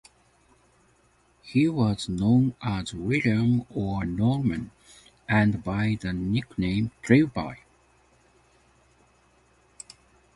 He was known as William or Norman, and by the nickname Trilby.